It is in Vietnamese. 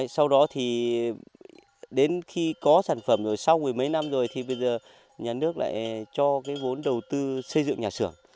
sau đó thì đến khi có sản phẩm rồi sau mười mấy năm rồi thì bây giờ nhà nước lại cho cái vốn đầu tư xây dựng nhà xưởng